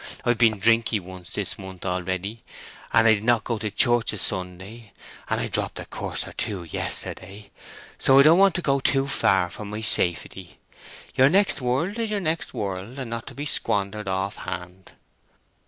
I've been drinky once this month already, and I did not go to church a Sunday, and I dropped a curse or two yesterday; so I don't want to go too far for my safety. Your next world is your next world, and not to be squandered offhand."